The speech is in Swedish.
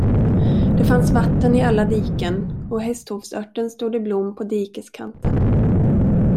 Det fanns vatten i alla diken, och hästhovsörten stod i blom på dikeskanten.